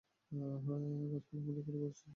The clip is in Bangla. গাছপালা আমাদের পরিবেশের একটি গুরুত্বপূর্ণ উপাদান।